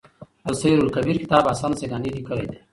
السير لکبير کتاب حسن سيلاني ليکی دی.